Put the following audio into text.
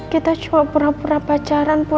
kita cuma pura pura pacaran pun